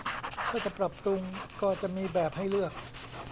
ถ้าจะปรับปรุงก็จะมีแบบให้เลือก